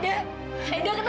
tante percaya sama aku